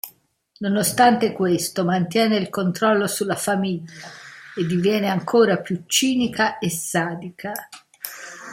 Nonostante questo mantiene il controllo sulla Famiglia e diviene ancora più cinica e sadica.